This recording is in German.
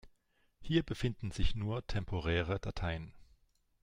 Hier befinden sich nur temporäre Dateien.